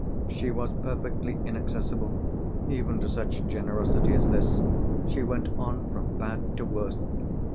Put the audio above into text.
She was perfectly inaccessible, even to such generosity as this. She went on from bad to worse.